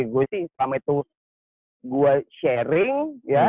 gue sih sama itu gue sharing ya